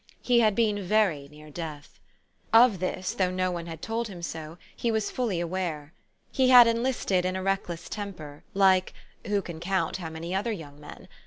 He had been very near death. 164 THE STORY OF AVIS. Of this, though no one had told him so, he was fully aware. He had enlisted in a reckless temper, like who can count how many other young men